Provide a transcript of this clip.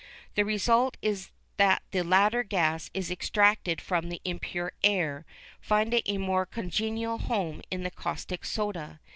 The result is that the latter gas is extracted from the impure air, finding a more congenial home in the caustic soda.